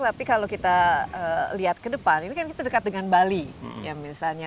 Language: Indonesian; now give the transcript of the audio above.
tapi kalau kita lihat ke depan ini kan kita dekat dengan bali ya misalnya